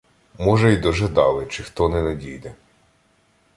Може, й дожидали, чи хто не надійде.